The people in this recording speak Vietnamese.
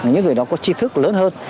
những người đó có chi thức lớn hơn